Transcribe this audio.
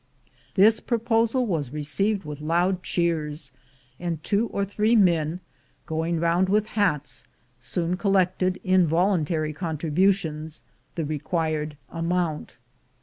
This proposal was received with loud cheers, and two or three men going round with hats soon collected, in voluntary contributions, the required amount.